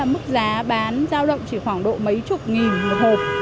mức giá bán giao động chỉ khoảng độ mấy chục nghìn một hộp